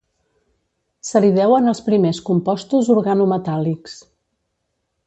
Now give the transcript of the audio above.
Se li deuen els primers compostos organometàl·lics.